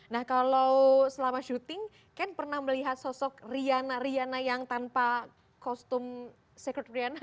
nah kalau selama syuting kan pernah melihat sosok rian riana yang tanpa kostum secret riana